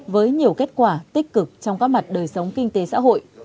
với nhiều kết quả tích cực trong các mặt đời sống kinh tế xã hội